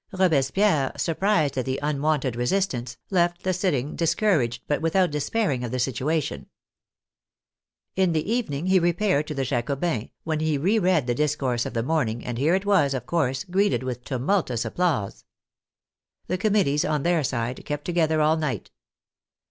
Robes pierre, surprised at the unwonted resistance, left the sit ting discouraged, but without despairing of the situation. In the evening he repaired to the Jacobins', when he re read the discourse of the morning, and here it was, of course, greeted with tumultuous applause. The Com mittees, on their side, kept together all night.